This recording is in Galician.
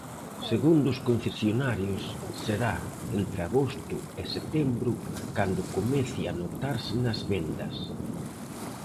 Segundo os concesionarios, será entre agosto e setembro cando comece a notarse nas vendas.